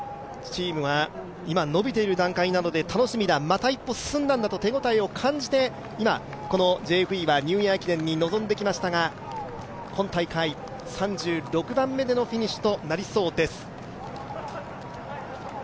チームは今、伸びている段階なので楽しみだまた一歩進んだんだと手応えを感じて今、このＪＦＥはニューイヤーに臨んできましたが、今大会３６番目でのフィニッシュとなりそうです。